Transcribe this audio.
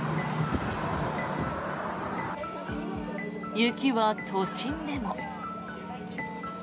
雪は都心でも。